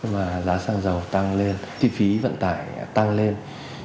nhưng mà giá xăng dầu tăng lên chi phí vận tải tăng lên